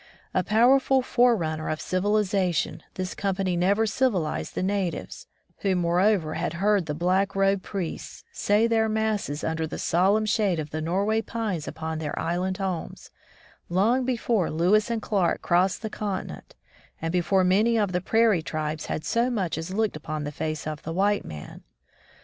A powerful forerunner of civilization, this company never civilized the natives, who, moreover, had heard the *^ Black Robe" priests say their masses under the solemn shade of the Nor way pines upon their island homes, long before Lewis and Clarke crossed the conti nent, and before many of the prairie tribes had so much as looked upon the face of the white man.